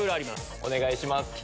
お願いします。